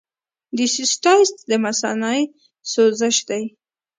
د سیسټایټس د مثانې سوزش دی.